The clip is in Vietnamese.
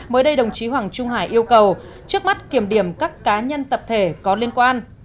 mới đây đồng chí hoàng trung hải yêu cầu trước mắt kiểm điểm các cá nhân tập thể có liên quan